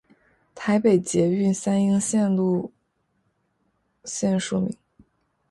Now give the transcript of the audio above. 台北捷运三莺线路线说明